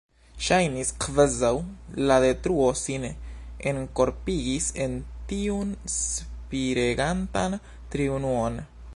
Ŝajnis, kvazaŭ la Detruo sin enkorpigis en tiun spiregantan triunuon.